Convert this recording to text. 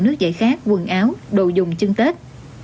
nước dạy khát quần áo đồ dùng chưng tết